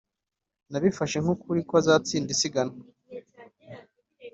] nabifashe nk'ukuri ko azatsinda isiganwa.